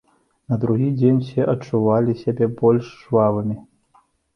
На другі дзень усе адчувалі сябе больш жвавымі.